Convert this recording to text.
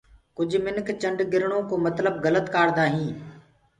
ڪُج منک چنڊگِرڻو ڪو متلب گلت ڪآردآ هينٚ